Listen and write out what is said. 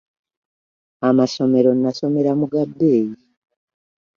Amasomero nasomera mu ga bbeeyi.